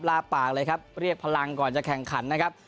ลาปากเลยครับเรียกพลังก่อนจะแข่งขันนะครับ